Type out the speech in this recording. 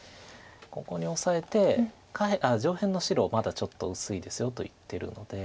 ここにオサえて「上辺の白まだちょっと薄いですよ」と言ってるので。